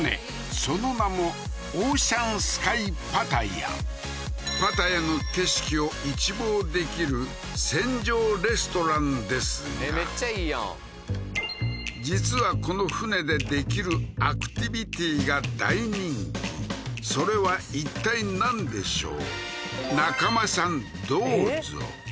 その名もパタヤの景色を一望できる船上レストランですがめっちゃいいやん実はこの船で出来るアクティビティが大人気それはいったいなんでしょう？